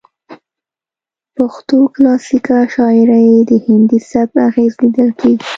پښتو کلاسیکه شاعرۍ کې د هندي سبک اغیز لیدل کیږي